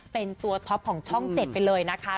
เป็นตัวท็อปของช่อง๗ไปเลยนะคะ